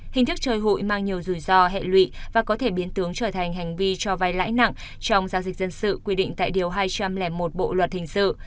hình thức chơi hụi mang nhiều rủi ro hệ lụy và có thể biến tướng trở thành hành vi cho vai lãi nặng trong giao dịch dân sự quy định tại điều hai trăm linh một bộ luật hình sự